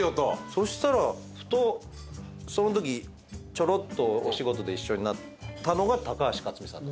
そしたらふとそのときちょろっとお仕事で一緒になったのが高橋克実さん。